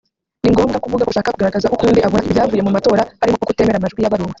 ni ngombwa kuvuga ko ushaka kugaragaza ukundi abona ibyavuye mu matora harimo nko kutemera amajwi yabaruwe